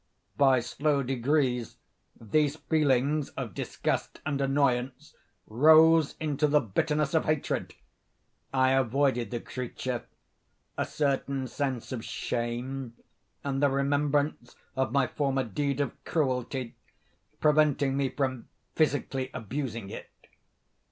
By slow degrees, these feelings of disgust and annoyance rose into the bitterness of hatred. I avoided the creature; a certain sense of shame, and the remembrance of my former deed of cruelty, preventing me from physically abusing it.